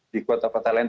di kota kota lain